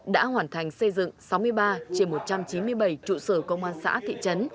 đã hoàn thành xây dựng sáu mươi ba trên một trăm chín mươi bảy trụ sở công an xã thị trấn